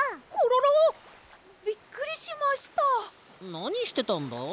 なにしてたんだ？